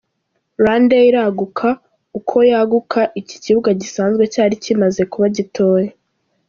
RwandAir iraguka, uko yaguka iki kibuga gisanzwe cyari kimaze kuba gitoya.